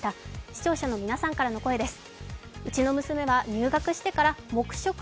視聴者の皆さんからの声です。